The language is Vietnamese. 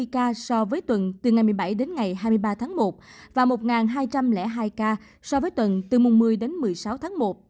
hai mươi ca so với tuần từ ngày một mươi bảy đến ngày hai mươi ba tháng một và một hai trăm linh hai ca so với tuần từ mùng một mươi đến một mươi sáu tháng một